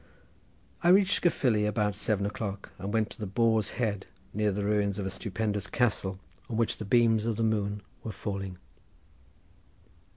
I reached Caerfili at about seven o'clock, and went to the "Boar's Head," near the ruins of a stupendous castle, on which the beams of the moon were falling.